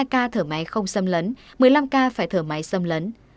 một mươi hai ca thở máy không xâm lấn một mươi năm ca phải thở máy xâm lấn